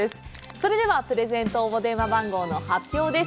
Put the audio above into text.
それではプレゼント応募電話番号の発表です。